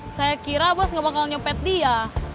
saya kira bos gak bakal nyepet dia